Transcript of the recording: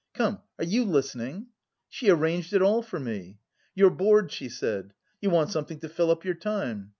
Come, are you listening? She arranged it all for me. You're bored, she said, you want something to fill up your time.